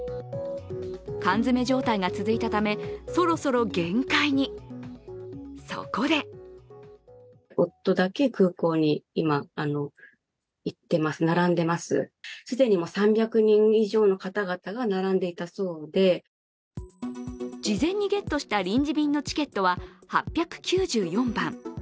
缶詰状態が続いたため、そろそろ限界に、そこで事前にゲットした臨時便のチケットは８９４番。